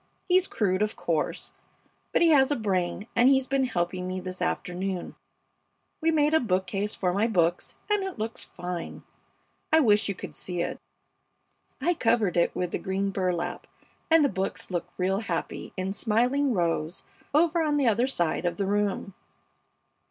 He's crude, of course, but he has a brain, and he's been helping me this afternoon. We made a bookcase for my books, and it looks fine. I wish you could see it. I covered it with the green burlap, and the books look real happy in smiling rows over on the other side of the room.